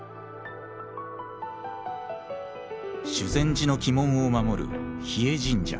修禅寺の鬼門を守る日枝神社。